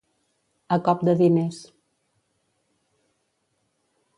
A cop de diners.